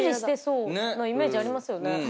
イメージありますよね。